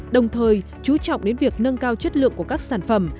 đồng thời chú trọng đến việc nâng cao chất lượng của các sản phẩm